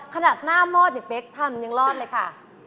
ขนาดหน้ามอดเนี่ยเป๊กทำยังรอดเลยค่ะ